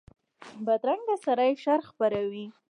بدرنګه سړي شر خپروي